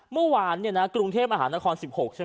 เมื่อวานกรุงเทพมหานคร๑๖ใช่ไหม